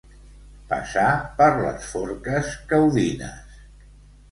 Passar per les forques caudines.